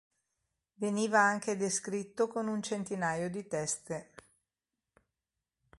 Veniva anche descritto con un centinaio di teste.